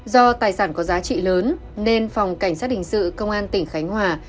do tài sản có giá trị lớn nên phòng cảnh sát hình sự công an tỉnh khánh hòa